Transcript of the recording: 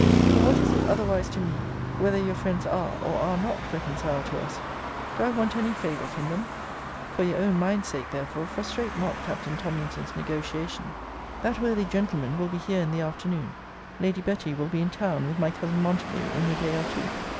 For what is it otherwise to me, whether your friends are, or are not, reconciled to us? Do I want any favour from them? For your own mind's sake, therefore, frustrate not Captain Tomlinson's negociation. That worthy gentleman will be here in the afternoon; Lady Betty will be in town, with my cousin Montague, in a day or two.